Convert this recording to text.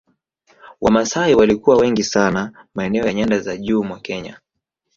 Wamasai walikuwa wengi sana maeneo ya nyanda za juu mwa Kenya